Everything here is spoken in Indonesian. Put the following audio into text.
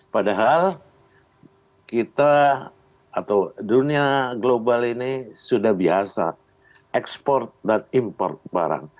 padahal kita atau dunia global ini sudah biasa ekspor dan import barang